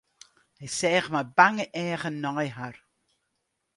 Hy seach mei bange eagen nei har.